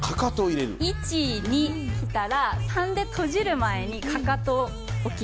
１・２きたら３で閉じる前にかかとを置きます。